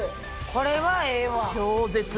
これはええわ。